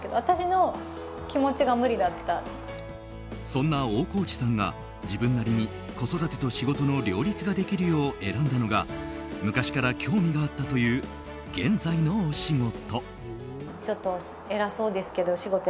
そんな大河内さんが自分なりに子育てと仕事の両立ができるよう選んだのが昔から興味があったという現在のお仕事。